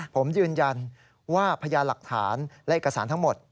ผมยืนยันว่าพยานหลักฐานและเอกสารทั้งหมด